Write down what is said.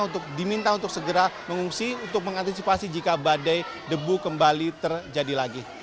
untuk diminta untuk segera mengungsi untuk mengantisipasi jika badai debu kembali terjadi lagi